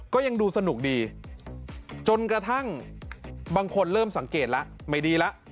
ก็ยังดูสนุกดีจนกระทั่งบางคนเริ่มสังเกตแล้วไม่ดีแล้ว